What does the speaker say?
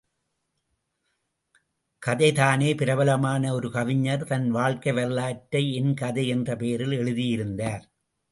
கதை தானே பிரபலமான ஒரு கவிஞர், தன் வாழ்க்கை வரலாற்றை என் கதை என்ற பெயரில் எழுதி இருந்தார்.